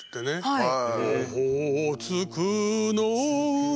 はい。